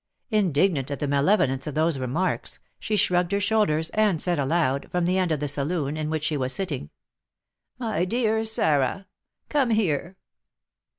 Indignant at the malevolence of these remarks, she shrugged her shoulders, and said aloud, from the end of the saloon in which she was sitting: "My dear Sarah, come here."